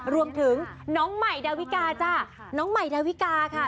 รวมถึงน้องใหม่ดาวิกาจ้ะน้องใหม่ดาวิกาค่ะ